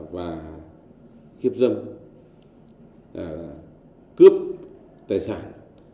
và kiếp dân cướp tài sản